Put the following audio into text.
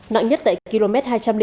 nặng nhất tại km hai trăm linh hai